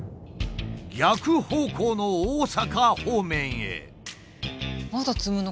逆方向の大阪方面へ。